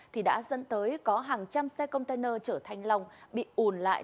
thì đã dẫn tới có hàng trăm xe container trở thành lòng bị ùn lại